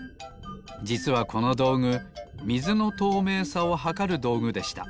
じつはこのどうぐみずのとうめいさをはかるどうぐでした。